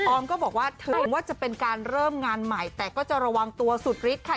ออมก็บอกว่าถึงว่าจะเป็นการเริ่มงานใหม่แต่ก็จะระวังตัวสุดฤทธิ์ค่ะ